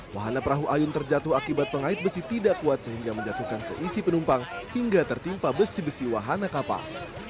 wahana perahu ayun terjatuh akibat pengait besi tidak kuat sehingga menjatuhkan seisi penumpang hingga tertimpa besi besi wahana kapal